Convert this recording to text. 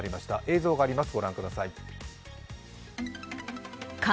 映像があります、ご覧ください。